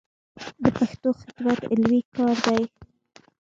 د پښتو خدمت علمي کار دی.